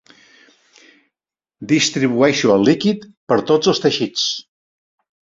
Distribueixo el líquid per tot els teixits.